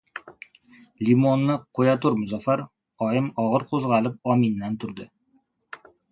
Limonni qo‘yatur, Muzaffar! - Oyim og‘ir qo‘zg‘alib o‘midan turdi.